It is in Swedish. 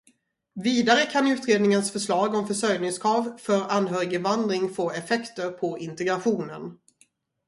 Vidare kan utredningens förslag om försörjningskrav för anhöriginvandring få effekter på integrationen.